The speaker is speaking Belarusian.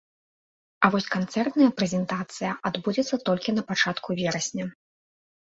А вось канцэртная прэзентацыя адбудзецца толькі на пачатку верасня.